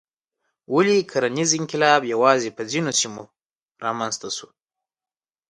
ولې کرنیز انقلاب یوازې په ځینو سیمو رامنځته شو؟